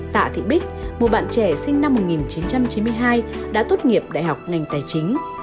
tạ thị bích một bạn trẻ sinh năm một nghìn chín trăm chín mươi hai đã tốt nghiệp đại học ngành tài chính